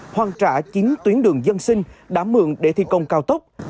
hoàn trả chín tuyến đường dân sinh đã mượn để thi công cao tốc